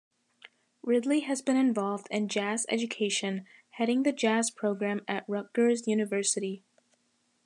Ridley has been involved in jazz education, heading the jazz program at Rutgers University.